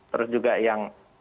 terus juga yang